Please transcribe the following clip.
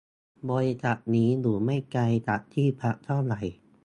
บริษัทนี้อยู่ไม่ไกลจากที่พักเท่าไร